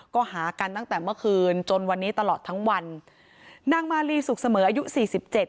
ก็หากันตั้งแต่เมื่อคืนจนวันนี้ตลอดทั้งวันนางมาลีสุขเสมออายุสี่สิบเจ็ด